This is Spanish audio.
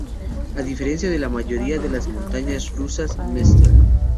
A diferencia de la mayoría de las montañas rusas, Mr.